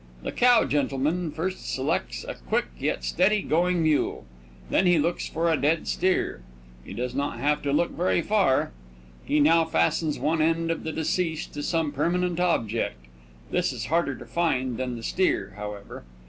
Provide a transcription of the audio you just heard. The cow gentleman first selects a quick yet steady going mule; then he looks for a dead steer. He does not have to look very far. He now fastens one end of the deceased to some permanent object. This is harder to find than the steer, however.